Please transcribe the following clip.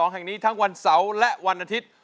แห่งนี้ทั้งวันเสาร์และวันอาทิตย์